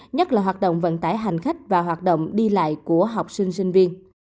nhất là hoạt động vận tải hành khách và hoạt động đi lại của học sinh sinh viên